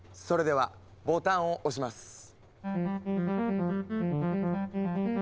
それではボタンを押します。